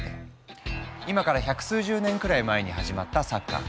今から百数十年くらい前に始まったサッカー。